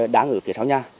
đang ở phía sau nhà